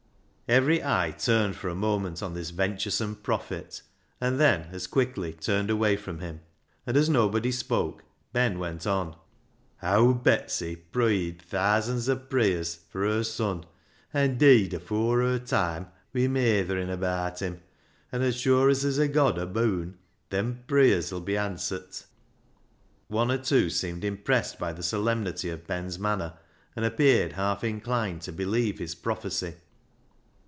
Every eye turned for a moment on this venture some prophet, and then as quickly turned away from him, and as nobody spoke, Ben went on —" Owd Betsy pruyed thaasands o' pruyers for her son, an' deed afoor her toime wi' meytherin' abaat him, an' as shure as there's a God aboon, them pruyers 'ull be answert." One or two seemed impressed by the solemnity of Ben's manner, and appeared half inclined to believe his prophecy.